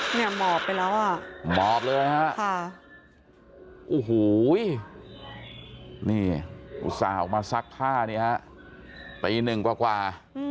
เนี่ยหมอบไปแล้วอ่ะค่ะโอ้โห้ยนี่อุตส่าห์ออกมาซักท่าเนี่ยตีหนึ่งกว่ากว่า